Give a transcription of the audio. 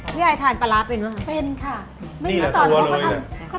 พี่ไอทานปลาร้าเป็นหรือคะเต็มค่ะ